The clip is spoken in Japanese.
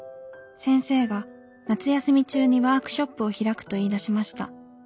先生が夏休み中にワークショップを開くと言い出しました。